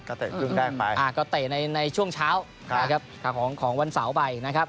ก็เตะเรื่องใกล้ไปก็เตะในช่วงเช้าของวันเสาร์ไปนะครับ